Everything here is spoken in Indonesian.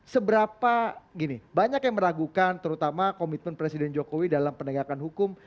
seberapa gini banyak yang meragukan terutama komitmen presiden jokowi dalam penegakan hukum